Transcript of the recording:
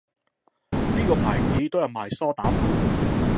呢個牌子都有賣梳打粉